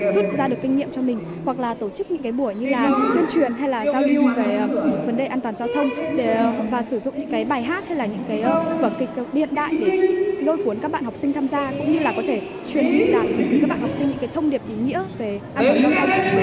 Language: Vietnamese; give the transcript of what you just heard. chúng tôi đã lôi cuốn các bạn học sinh tham gia cũng như là có thể truyền hình lại với các bạn học sinh những thông điệp ý nghĩa về an toàn giao thông